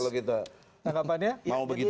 kalau kita mau begitu